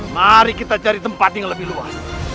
mari kita cari tempat yang lebih luas